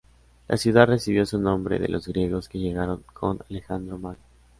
La ciudad recibió su nombre de los griegos que llegaron con Alejandro Magno.